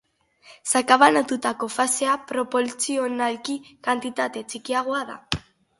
Sakabanatutako fasea proportzionalki kantitate txikiagoa da.